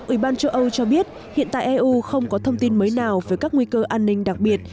ủy ban châu âu cho biết hiện tại eu không có thông tin mới nào về các nguy cơ an ninh đặc biệt